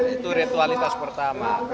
itu ritualitas pertama